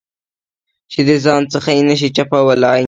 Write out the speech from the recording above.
چې د ځان څخه یې نه شې چپولای.